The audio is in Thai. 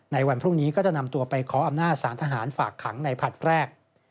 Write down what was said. วันพรุ่งนี้ก็จะนำตัวไปขออำนาจสารทหารฝากขังในผลัดแรก